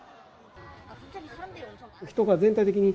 人が全体的に、